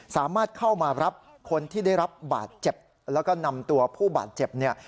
สามารถเข้ามารับคนที่ได้รับบาดเจ็บแล้วก็นำตัวผู้บาดเจ็บเนี่ย